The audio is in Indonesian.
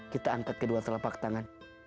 kita angkat kedua telapak tangan